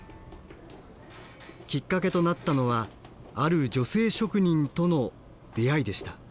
きっかけとなったのはある女性職人との出会いでした。